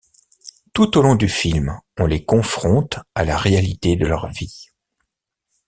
Tout au long du film on les confronte à la réalité de leur vie.